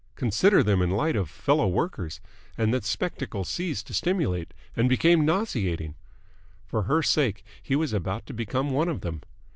Consider them in the light of fellow workers, and the spectacle ceased to stimulate and became nauseating. And for her sake he was about to become one of them!